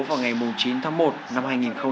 vào ngày chín tháng một năm hai nghìn một mươi bảy